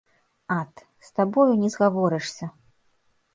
Ат, з табою не згаворышся!